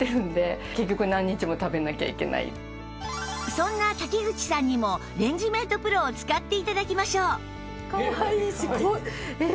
そんな瀧口さんにもレンジメート ＰＲＯ を使って頂きましょう